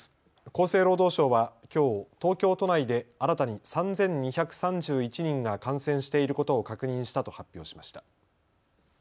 厚生労働省はきょう東京都内で新たに３２３１人が感染していることを確認したと発表しました。